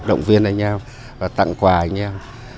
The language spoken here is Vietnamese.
động viên anh em và tặng quà anh em